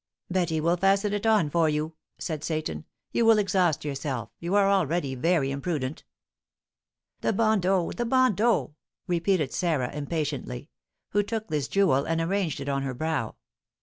"Betty will fasten it on for you," said Seyton; "you will exhaust yourself; you are already very imprudent." "The bandeau, the bandeau!" repeated Sarah, impatiently, who took this jewel and arranged it on her brow.